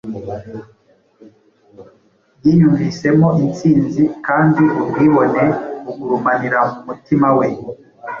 Yiyumvisemo insinzi kandi ubwibone bugurumanira mu mutima we